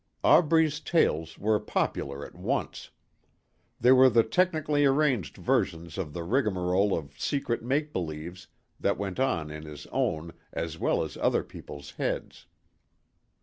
Aubrey's tales were popular at once. They were the technically arranged versions of the rigmarole of secret make believes that went on in his own as well as other people's heads.